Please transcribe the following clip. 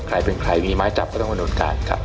ใครเป็นใครมีไม้จับก็ต้องหน่วนการ